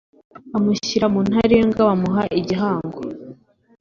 amushyira mu ntarindwa; bamuha igihango